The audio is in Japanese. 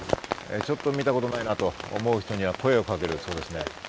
ちょっと見たことないなと思う人には声をかける。